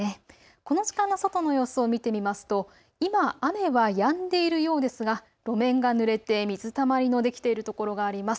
この時間の外の様子を見てみますと今、雨はやんでいるようですが路面がぬれて水たまりのできているところがあります。